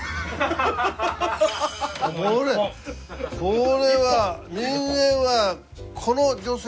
これは人間は。